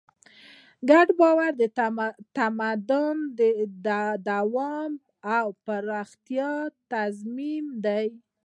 ګډ باور د تمدن د دوام او پراختیا تضمین دی.